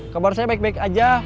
kabar saya baik baik aja